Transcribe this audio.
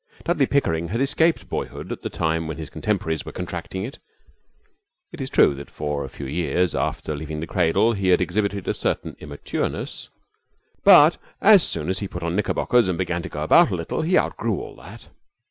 Dudley Pickering had escaped boyhood at the time when his contemporaries were contracting it. It is true that for a few years after leaving the cradle he had exhibited a certain immatureness, but as soon as he put on knickerbockers and began to go about a little he outgrew all that.